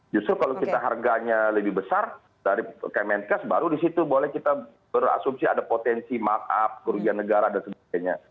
justru kalau kita harganya lebih besar dari kemenkes baru disitu boleh kita berasumsi ada potensi markup kerugian negara dan sebagainya